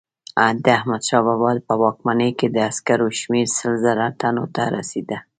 د احمدشاه بابا په واکمنۍ کې د عسکرو شمیر سل زره تنو ته رسېده.